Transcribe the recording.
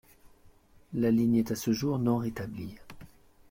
La ligne est à ce jour non rétablie.